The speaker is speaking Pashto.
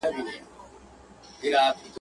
خر پر لار که، خپله چار که.